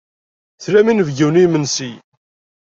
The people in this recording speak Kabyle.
Tlamt inebgiwen i yimensi?